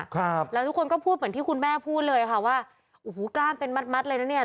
ครับแล้วทุกคนก็พูดเหมือนที่คุณแม่พูดเลยค่ะว่าโอ้โหกล้ามเป็นมัดมัดเลยนะเนี่ย